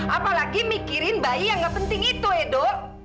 apalagi mikirin bayi yang gak penting itu edo